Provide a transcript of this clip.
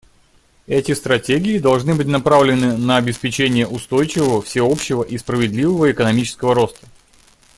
Эти стратегии должны быть направлены на обеспечение устойчивого, всеобщего и справедливого экономического роста.